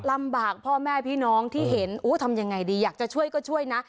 พ่อแม่พี่น้องที่เห็นทำยังไงดีอยากจะช่วยก็ช่วยนะ